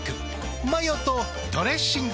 マヨとドレッシングで。